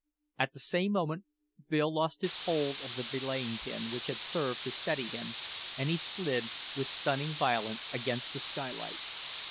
At the same moment Bill lost his hold of the belaying pin which had served to steady him, and he slid with stunning violence against the skylight.